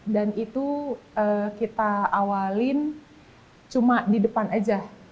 dan itu kita awalin cuma di depan aja